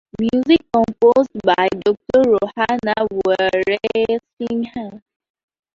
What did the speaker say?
Music composed by Doctor Rohana Weerasinghe.